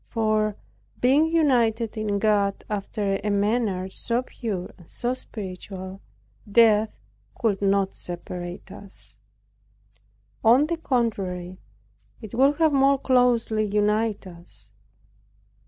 For, being united in God after a manner so pure, and so spiritual, death could not separate us. On the contrary it would have more closely united us.